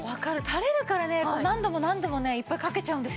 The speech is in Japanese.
たれるからね何度も何度もいっぱいかけちゃうんですよね。